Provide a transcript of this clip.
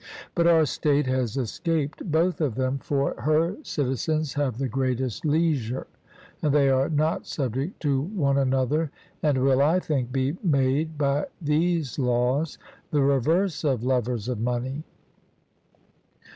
But our state has escaped both of them; for her citizens have the greatest leisure, and they are not subject to one another, and will, I think, be made by these laws the reverse of lovers of money.